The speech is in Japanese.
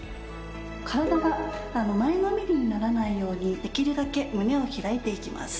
体が前のめりにならないようにできるだけ胸を開いていきます。